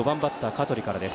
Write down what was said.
香取からです。